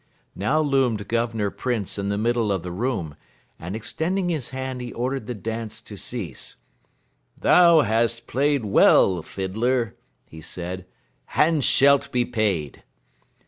Now loomed Governor Printz in the middle of the room, and extending his hand he ordered the dance to cease. "Thou bast played well, fiddler," he said, "and shalt be paid."